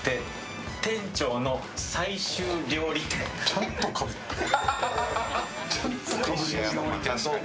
ちゃんとかぶってる。